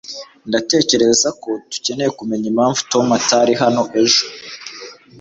ndatekereza ko dukeneye kumenya impamvu tom atari hano ejo